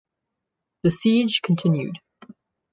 The siege continued.